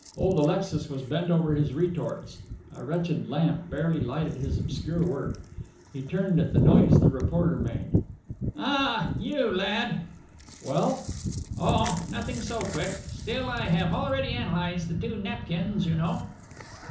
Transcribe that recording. Old Alexis was bent over his retorts. A wretched lamp barely lighted his obscure work. He turned at the noise the reporter made. "Ah! you, lad!" "'Well?" "Oh, nothing so quick. Still, I have already analyzed the two napkins, you know."